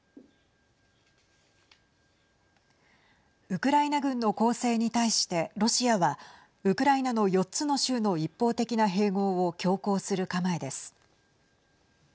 ウクライナ軍の攻勢に対してロシアはウクライナの４つの州の一方的な併合を強行する構えです。